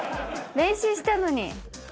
練習したのに。